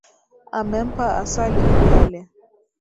Amempa asali ili ale.